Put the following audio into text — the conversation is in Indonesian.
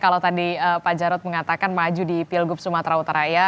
kalau tadi pak jarod mengatakan maju di pilgub sumatera utara ya